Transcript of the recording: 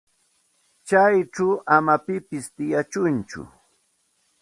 Chayćhu ama pipis tiyachunchu.